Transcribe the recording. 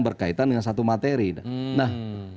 berkaitan dengan satu materi nah